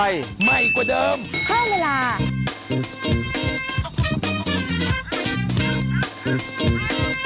แย่ไข่มดแดง